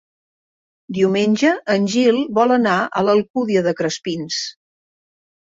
Diumenge en Gil vol anar a l'Alcúdia de Crespins.